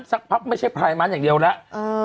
สักพักไม่ใช่พลายมันอย่างเดียวแล้ว